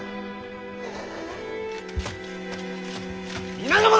皆の者！